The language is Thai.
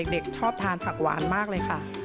เด็กชอบทานผักหวานมากเลยค่ะ